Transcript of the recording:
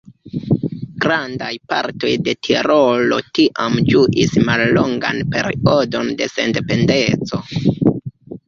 Grandaj partoj de Tirolo tiam ĝuis mallongan periodon de sendependeco.